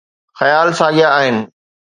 خيال ساڳيا آهن.